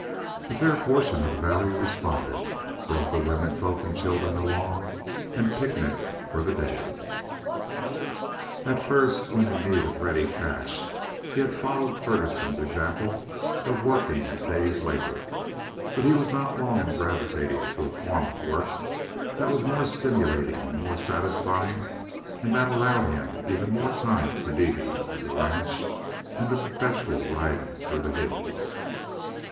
And a fair portion of the valley responded, brought the women folk and children along, and picnicked for the day. At first, when in need of ready cash, he had followed Ferguson's example of working at day's labor; but he was not long in gravitating to a form of work that was more stimulating and more satisfying, and that allowed him even more time for Dede and the ranch and the perpetual riding through the hills.